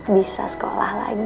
bisa sekolah lagi